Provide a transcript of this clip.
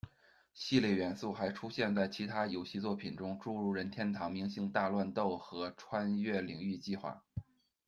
系列元素还出现在其他游戏作品中，诸如任天堂明星大乱斗和《穿越领域计划》。